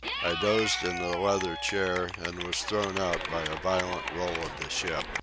I dozed in a leather chair and was thrown out by a violent roll of the ship.